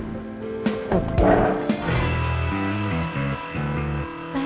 nunggu sus goreng